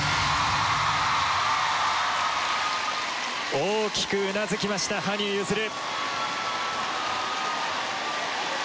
大きくうなずきました羽生結弦。